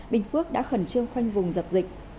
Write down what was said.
bình phước đã khẩn trương khoanh vùng dập dịch